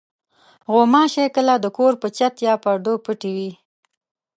غوماشې کله د کور په چت یا پردو پټې وي.